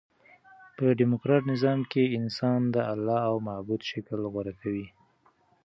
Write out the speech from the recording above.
په ډیموکراټ نظام کښي انسان د اله او معبود شکل غوره کوي.